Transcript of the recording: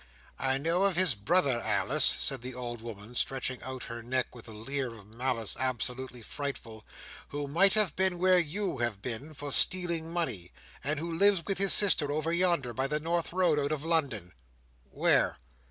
"I know of his brother, Alice," said the old woman, stretching out her neck with a leer of malice absolutely frightful, "who might have been where you have been—for stealing money—and who lives with his sister, over yonder, by the north road out of London." "Where?"